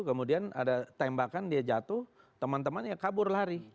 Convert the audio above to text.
kemudian ada tembakan dia jatuh teman temannya kabur lari